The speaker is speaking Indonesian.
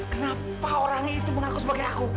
kenapa orang itu mengaku sebagai aku